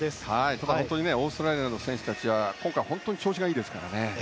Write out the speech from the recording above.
ただ本当にオーストラリアの選手たちは今回、本当に調子がいいですからね。